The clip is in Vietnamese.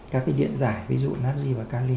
các cái điện giải ví dụ nazi và cali